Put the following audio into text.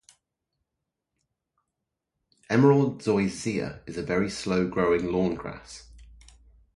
Emerald Zoysia is a very slow growing lawn grass.